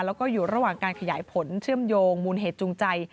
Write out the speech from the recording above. แล้วก็อยู่ระหว่างการขยายผลเชื่อมโยงมูลเหตุจูงใจ